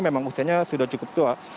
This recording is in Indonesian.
memang usianya sudah cukup tua